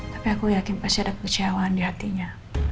tapi aku yakin pasti ada kecewaan di hatinya